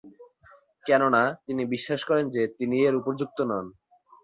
কেননা, তিনি বিশ্বাস করেন যে, তিনি এর উপযুক্ত নন।